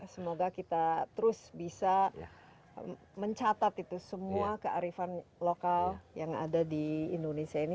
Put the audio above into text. semoga kita terus bisa mencatat itu semua kearifan lokal yang ada di indonesia ini